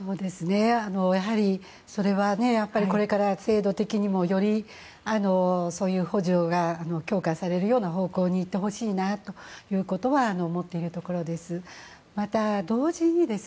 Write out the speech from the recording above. やはり、それはこれから制度的にもよりそういう補助が強化される方向に行ってほしいなというのは思っているところです。